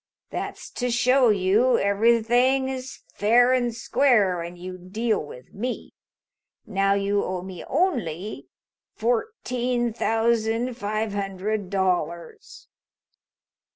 That's to show you everything is fair and square when you deal with me. Now you owe me only fourteen thousand five hundred dollars."